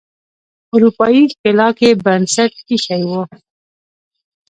اروپایي ښکېلاک یې بنسټ ایښی و.